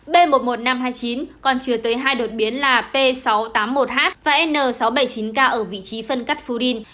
b một mươi một nghìn năm trăm hai mươi chín còn chứa tới hai đột biến là p sáu trăm tám mươi một h và n sáu trăm bảy mươi chín k ở vị trí phân cắt phudin